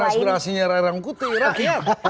bukan aspirasinya rarangkuti rakyat